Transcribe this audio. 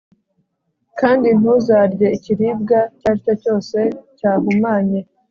kandi ntuzarye ikiribwa icyo ari cyo cyose cyahumanye